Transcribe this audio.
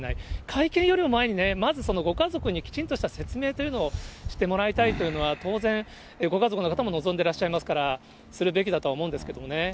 会見よりも前にね、まずご家族にきちんとした説明というのをしてもらいたいというのは、当然、ご家族の方も望んでらっしゃいますから、するべきだと思うんですけれどもね。